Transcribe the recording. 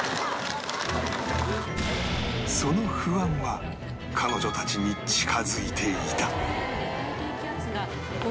その不安は彼女たちに近付いていた